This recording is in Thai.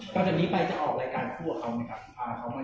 ก่อนที่นี่ไปจะออกรายการพว่าเขาไหมครับ